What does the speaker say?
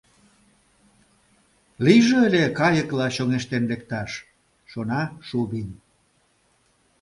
«Лийже ыле кайыкла чоҥештен лекташ», — шона Шубин.